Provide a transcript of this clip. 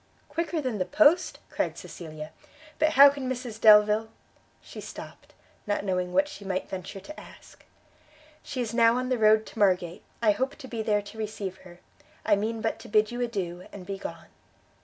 "Quicker than the post?" cried Cecilia; "but how can Mrs Delvile " she stopt; not knowing what she might venture to ask. "She is now on the road to Margate; I hope to be there to receive her. I mean but to bid you adieu, and be gone."